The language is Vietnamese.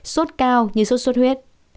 sốt cao như sốt suốt huyết